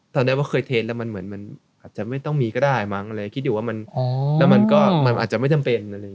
ตอนแรกว่าเคยเทนแล้วมันเหมือนมันอาจจะไม่ต้องมีก็ได้มั้งเลยคิดอยู่ว่ามันแล้วมันก็มันอาจจะไม่จำเป็น